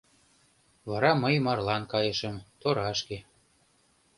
Вара мый марлан кайышым, торашке.